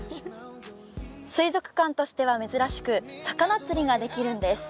水族館としては珍しく魚釣りができるんです。